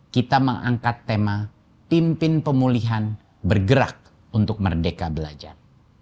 kita mengangkat tema pimpin pemulihan bergerak untuk merdeka belajar